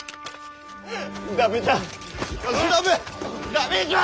駄目じゃ。